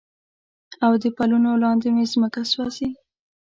او د پلونو لاندې مې مځکه سوزي